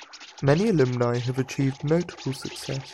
Many alumni have achieved notable success.